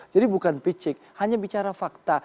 jadi bukan pijik hanya bicara fakta